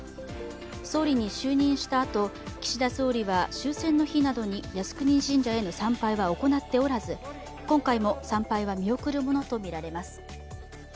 総理に就任したあと、岸田総理は終戦の日などに靖国神社への参拝は行っておらず、今回も参拝は見送るものとみられます。